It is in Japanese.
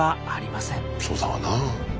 そうだわな。